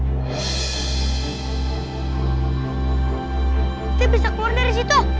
saya bisa keluar dari situ